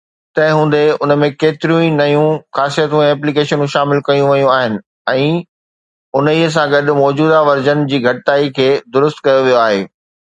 تنهن هوندي، ان ۾ ڪيتريون ئي نيون خاصيتون ۽ ايپليڪيشنون شامل ڪيون ويون آهن ۽ انهي سان گڏ موجوده ورزن جي گهٽتائي کي درست ڪيو ويو آهي.